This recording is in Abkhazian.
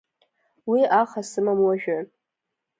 Уи аха сымам уажәы!